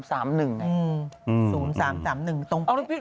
สูง๓๓๑ตรงแปด